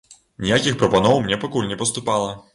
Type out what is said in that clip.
Ніякіх прапаноў мне пакуль не паступала.